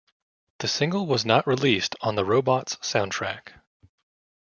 The single was not released on the "Robots" soundtrack.